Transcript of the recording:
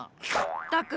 ったく！